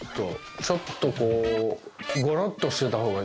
ちょっとこう。